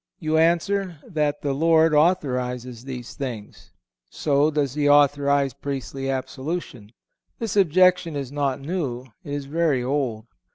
You answer that the Lord authorizes these things. So does He authorize priestly absolution. This objection is not new. It is very old.